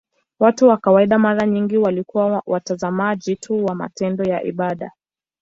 Watu wa kawaida mara nyingi walikuwa watazamaji tu wa matendo ya ibada.